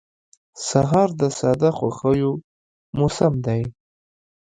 سهار د ساده خوښیو موسم دی.